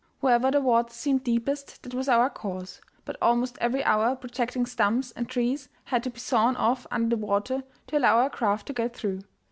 Wherever the water seemed deepest that was our course, but almost every hour projecting stumps and trees had to be sawn off under the water to allow our craft to get through.